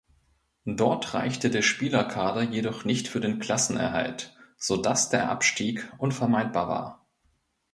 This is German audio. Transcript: Dort reichte der Spielerkader jedoch nicht für den Klassenerhalt, sodass der Abstieg unvermeidbar war.